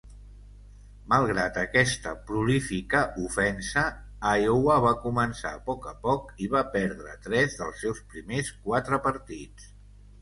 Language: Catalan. Malgrat aquesta prolífica ofensa, Iowa va començar a poc a poc i va perdre tres dels seus primers quatre partits.